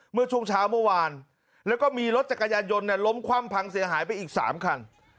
เมื่อช่วงเช้าเมื่อวานแล้วก็มีรถจักรยานยนต์ล้มคว่ำพังเสียหายไปอีก๓คัน